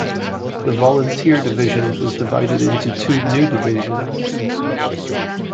The Volunteer Division was divided into two new divisions.